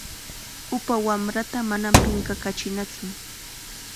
Upa wamrata manam pinqakachinatsu.